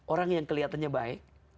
orang yang kelihatannya baik